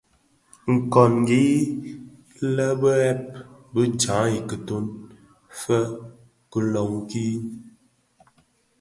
Nkongi lè bidheb më jaň i kiton fee loňkin.